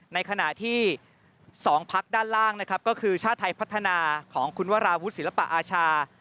ในขณะที่๒พักด้านล่างนะครับก็คือชาติไทยพัฒนาของคุณวราวุฒิศิลปะอาชา